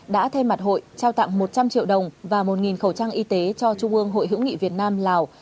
đã thay mặt hội trao tặng một trăm linh triệu đồng và một khẩu trang y tế cho trung ương hội hữu nghị việt nam lào